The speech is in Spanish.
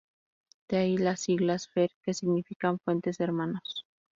De ahí las siglas, Fher, que significan "Fuentes Hermanos".